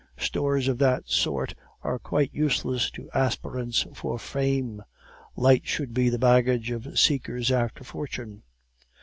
Stores of that sort are quite useless to aspirants for fame. Light should be the baggage of seekers after fortune!